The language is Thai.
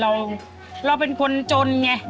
เราเป็นคนจนไง